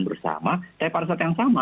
bersama tapi pada saat yang sama